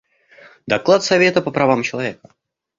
Доклад Совета по правам человека.